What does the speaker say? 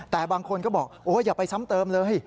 แต่บางคนก็บอกอย่าไปซ้ำเติมเลย